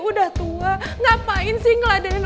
udah tua ngapain sih ngeladenin